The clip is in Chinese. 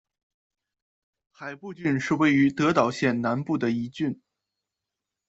海部郡是位于德岛县南部的一郡。